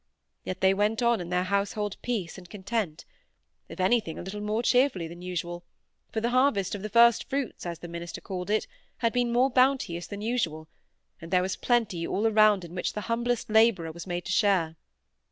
Yet they went on in their household peace and content; if anything, a little more cheerfully than usual, for the "harvest of the first fruits", as the minister called it, had been more bounteous than usual, and there was plenty all around in which the humblest labourer was made to share.